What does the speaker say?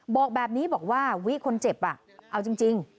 บอกแบบนี้บอกว่าวิคนเจ็บเอาจริง